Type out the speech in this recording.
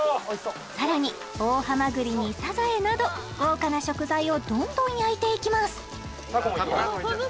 さらに大はまぐりにサザエなど豪華な食材をどんどん焼いていきます